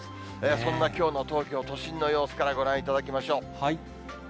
そんなきょうの東京都心の様子からご覧いただきましょう。